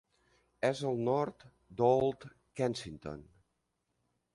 És al nord d'Olde Kensington.